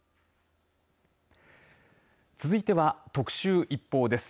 続いては、特集ＩＰＰＯＵです。